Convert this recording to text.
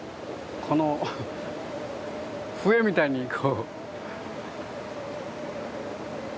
この笛みたいにこう。